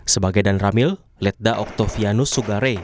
sebagai dan ramil letda oktovianus sugare